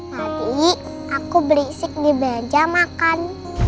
tadi aku berisik di belajar makan